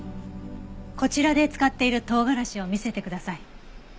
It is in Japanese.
こちらで使っている唐辛子を見せてください。